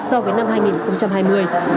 so với năm hai nghìn hai mươi